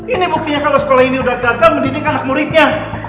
ini buktinya kalau sekolah ini sudah gagal mendidik anak muridnya